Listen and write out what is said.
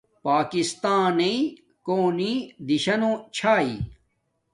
پݳکستݳنݵئ کݸنݵ دِشݸ چھݳئی؟